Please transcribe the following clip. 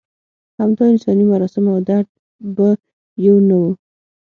همدا انساني مراسم او درد به یو نه و.